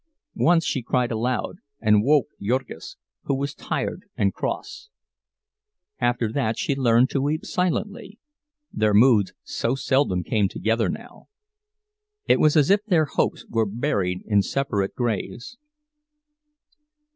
Once she cried aloud, and woke Jurgis, who was tired and cross. After that she learned to weep silently—their moods so seldom came together now! It was as if their hopes were buried in separate graves.